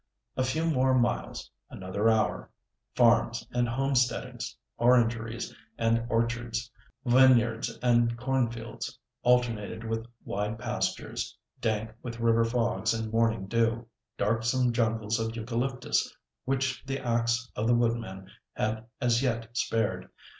A few more miles—another hour. Farms and home steadings, orangeries and orchards, vineyards and cornfields, alternated with wide pastures, dank with river fogs and morning dew, darksome jungles of eucalyptus which the axe of the woodman had as yet spared.